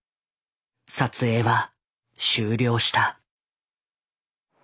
撮影は終了した。